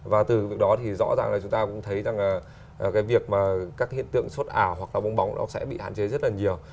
và từ việc đó thì rõ ràng là chúng ta cũng thấy rằng cái việc mà các hiện tượng sốt ảo hoặc là bong bóng nó sẽ bị hạn chế rất là nhiều